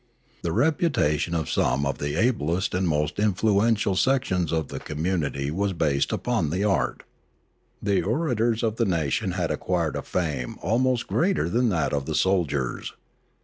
The reputation of some of the ablest and most influential sections of the community was based upon the art. The orators of the nation had acquired a fame almost greater than that of the soldiers.